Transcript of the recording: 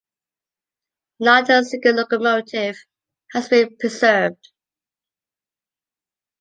Not a single locomotive has been preserved.